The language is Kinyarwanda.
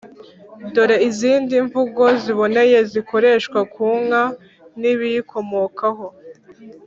dore izindi mvugo ziboneye zikoreshwa ku nka n ibiyikomokaho